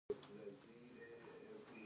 د لومړنیو زده کړو بشپړولو لپاره عمر وټاکل شو.